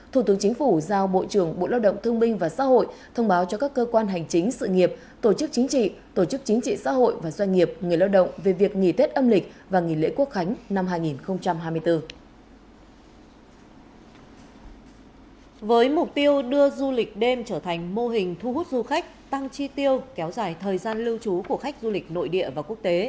thủ tướng chính phủ giao bộ trưởng bộ lao động thương minh và xã hội thông báo cho các cơ quan hành chính sự nghiệp tổ chức chính trị tổ chức chính trị xã hội và doanh nghiệp người lao động về việc nghỉ tết âm lịch và nghỉ lễ quốc khánh năm hai nghìn hai mươi bốn